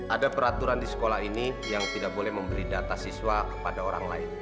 ada peraturan di sekolah ini yang tidak boleh memberi data siswa kepada orang lain